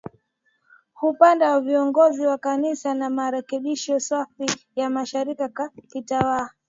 upande wa viongozi wa Kanisa na marekebisho safi ya mashirika ya kitawa